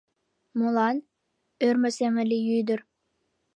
— Молан? — ӧрмӧ семын лие ӱдыр.